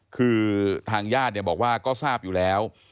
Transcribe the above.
คือทางญาติเนี่ยบอกว่าก็ทราบอยู่แล้ว